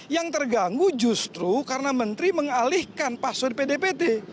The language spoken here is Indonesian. yang terganggu justru karena menteri mengalihkan password pdpt